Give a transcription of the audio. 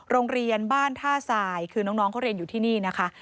โรงเรียนบ้านท่าทรายคือน้องเขาเรียนอยู่ที่นี่นะคะ